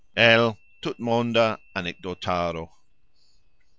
El "Tutmonda Anekdotaro".